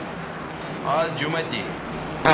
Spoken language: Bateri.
آز جمہ تھی